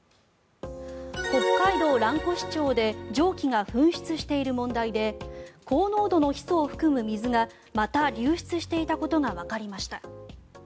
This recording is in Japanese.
北海道蘭越町で蒸気が噴出している問題で高濃度のヒ素を含む水がまた流出していたことがわかりました。